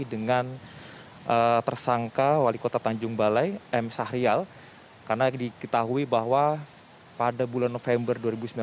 dengan tersangka wali kota tanjung balai m sahrial karena diketahui bahwa pada bulan november dua ribu sembilan belas